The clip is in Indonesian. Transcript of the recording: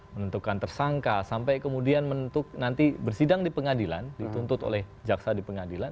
menentukan tersangka sampai kemudian menentukan nanti bersidang di pengadilan dituntut oleh jaksa di pengadilan